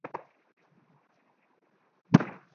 নিজের ঘরে দরজা-জানালা বন্ধ করে বসে থাকতেন।